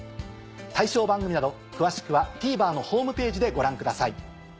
対象番組など詳しくはＴＶｅｒのホームページでご覧ください。